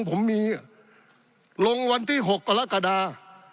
ปี๑เกณฑ์ทหารแสน๒